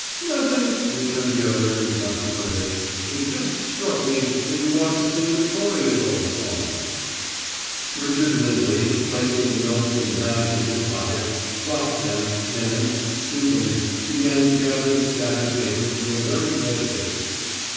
"Nothing," returned the other, inconsequently. "It just struck me that you ought to sing the Toreador song." Richard Lindley, placing the notes and maps in his pocket, dropped them, and, stooping, began to gather the scattered papers with a very red face.